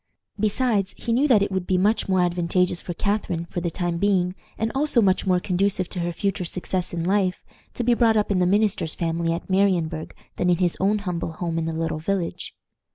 Besides, he knew that it would be much more advantageous for Catharine, for the time being, and also much more conducive to her future success in life, to be brought up in the minister's family at Marienburg than in his own humble home in the little village.